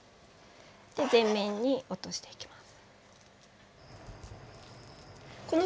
で全面に落としていきます。